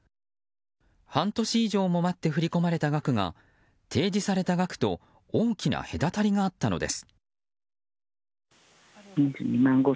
半年以上も待って振り込まれた額が提示された額と大きな隔たりがあったのです。